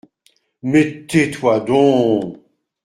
Mais tais-toi donc !